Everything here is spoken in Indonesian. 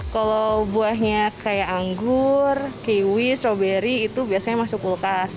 kalau buahnya kayak anggur kiwi stroberi itu biasanya masuk kulkas